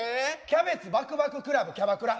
キャベツバクバククラブキャバクラ。